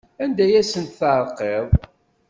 Anda ay asent-terqiḍ?